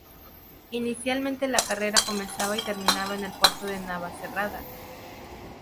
Inicialmente, la carrera comenzaba y terminaba en el Puerto de Navacerrada.